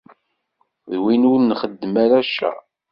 D win ur nxeddem ara ccer.